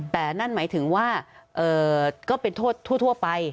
แต่นั่นหมายถึงว่าก็เป็นโทษทั่วไป